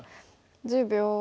１０秒。